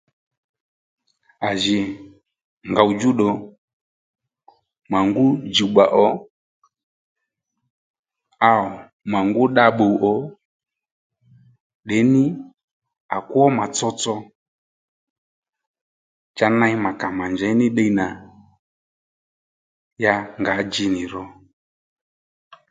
À jì ngòw djúddù mà ngú djùwbbà ò áẁ mà ngú dda-bbùw ò ndeyní à kwó mà tsotso cha ney mà kà mà njey ní ddiy nà ya ngǎ dji nì ro